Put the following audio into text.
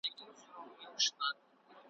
غلیم تر نورو د خپل ضمیر وي `